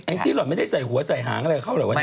แอ้งที่หล่อไม่ได้ใส่หัวใส่หางอะไรเข้าหรือวะเนี่ย